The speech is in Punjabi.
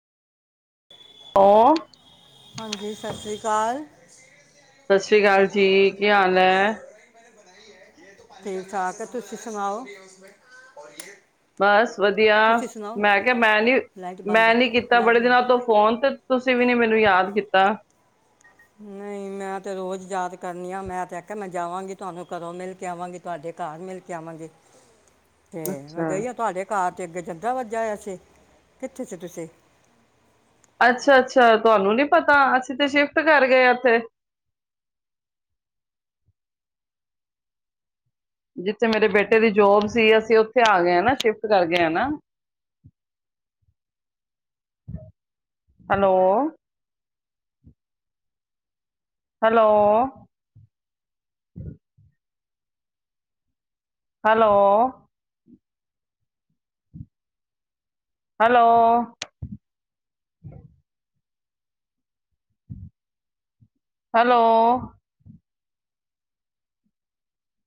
ਉਹ ਸਤਿ ਹਾਂਜੀ ਸਤਿ ਸ੍ਰੀ ਅਕਾਲ ਕਾਲ ਸਤਿ ਸ਼੍ਰੀ ਅਕਾਲ ਜੀ ਕੀ ਹਾਲ ਹੈ ਠੀਕ ਠਾਕ ਹੈ ਤੁਸੀਂ ਸੁਣਾਓ ਬਸ ਵਧੀਆ ਤੁਸੀਂ ਸੁਣਾਓ ਮੈਂ ਕਿਹਾ ਮੈਂ ਨੀ ਲਾਈਟ ਬੰਦ ਮੈਂ ਨੀ ਕੀਤਾ ਲਾਈਟ ਬੜੇ ਬੰਦ ਦਿਨਾਂ ਤੋਂ ਫੋਨ ਤੇ ਤੁਸੀਂ ਵੀ ਨੇ ਮੈਨੂੰ ਯਾਦ ਕੀਤਾ ਕਰਨ ਆ ਮੈਂ ਤੇ ਆ ਮੈਂ ਜਾਵਾਂਗੀ ਤੁਹਾਨੂੰ ਕਦੋਂ ਮਿਲ ਕੇ ਆਵਾਂਗੀ ਤੁਹਾਡੇ ਘਰ ਮਿਲ ਕੇ ਆਵਾਂਗੇ ਤੇ ਮੈਂ ਅੱਛਾ ਗਈ ਆ ਤੁਹਾਡੇ ਘਰ ਅੱਗੇ ਜਿੰਦਾ ਵੱਜਾਆ ਸੀ ਕਿੱਥੇ ਸੀ ਤੁਸੀਂ ਅੱਛਾ ਅੱਛਾ ਤੁਹਾਨੂੰ ਨੀ ਪਤਾ ਅਸੀਂ ਤੇ ਸ਼ਿਫਟ ਕਰ ਗਏ ਇੱਥੇ ਜਿੱਥੇ ਮੇਰੇ ਬੇਟੇ ਦੀ ਜੋਬ ਸੀ ਅਸੀਂ ਉੱਥੇ ਆ ਗਏ ਹ ਨਾ ਸ਼ਿਫਟ ਕਰ ਗਏ ਹ ਨਾ hello hello hello hello hello